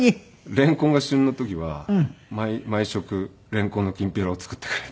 レンコンが旬の時は毎食レンコンのきんぴらを作ってくれって。